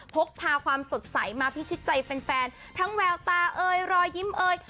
พกพาความสดใสมาพิชิตใจแฟนทั้งแววตาเอ่ยรอยยิ้มเอ่ย